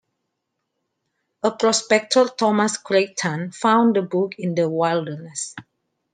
A prospector Thomas Creighton found the book in the wilderness.